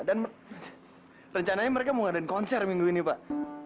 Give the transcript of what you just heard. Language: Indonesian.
dan rencananya mereka mau ngadain konser minggu ini pak